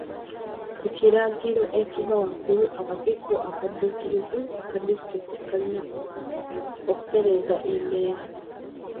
Ku kiragiro ekiva waggulu, akakiiko akadduukirize aka disitulikiti kaalina okutereeza embeera.